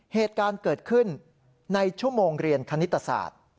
เหตุการณ์เกิดขึ้นในชั่วโมงเรียนคณิตศาสตร์